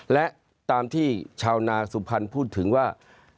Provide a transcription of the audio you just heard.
และตามที่ชาวนาสุพรรณพูดถึงว่า